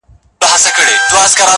هم غریب دی هم رنځور دی هم ډنګر دی.!